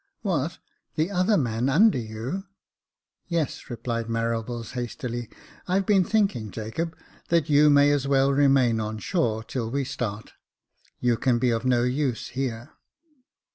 *' What, the other man under you ?"Yes," replied Marables, hastily. " I've been thinking, Jacob, that you may as well remain on shore till we start. You can be of no use here."